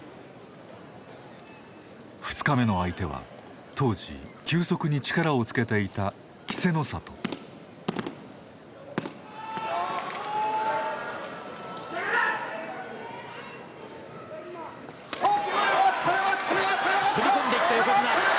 ２日目の相手は当時急速に力をつけていたはっけよい！